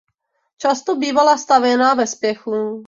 Často bývala stavěna ve spěchu.